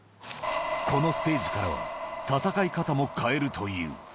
このステージから、戦い方も変えるという。